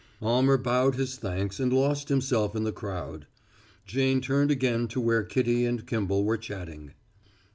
Almer bowed his thanks and lost himself in the crowd. Jane turned again to where Kitty and Kimball were chatting.